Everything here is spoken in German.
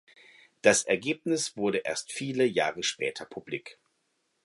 Das Ergebnis wurde erst viele Jahre später publik.